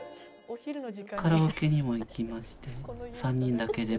カラオケにも行きまして、３人だけで。